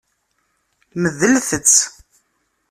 Medlet-tt.